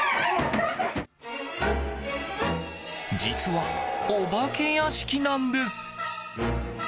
実は、お化け屋敷なんです。